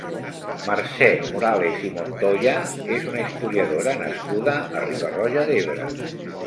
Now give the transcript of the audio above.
Mercè Morales i Montoya és una historiadora nascuda a Riba-roja d'Ebre.